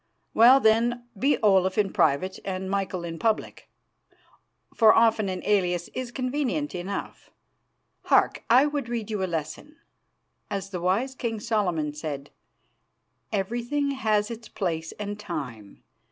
Well, then, be Olaf in private and Michael in public, for often an alias is convenient enough. Hark! I would read you a lesson. As the wise King Solomon said, 'Everything has its place and time.